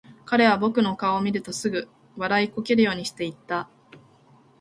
彼は僕の顔を見るとすぐ、笑いこけるようにして言った。